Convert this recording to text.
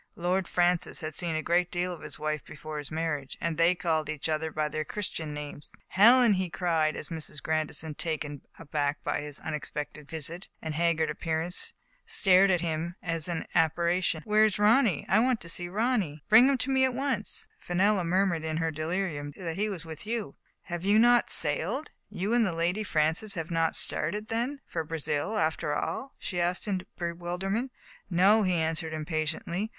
Lord Francis had seen a great deal of his wife before his marriage, and they called each other by their Christian names. " Helen, he cried, as Mrs. Grandison, taken aback by his unexpected visit and haggard ap pearance, stared at him as at an apparition, where is Ronny ? I want to see Ronny. Digitized by Google MRS, EDWARD KENNARD, 159 Bring him to me at once. Fenella murmured in her delirium that he was with you/' " Have you not sailed ? You and Lady Francis have not started, then, for Brazil, after all ?*' she asked in bewilderment. " No,'* he answered impatiently.